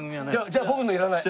じゃあ僕のいらない！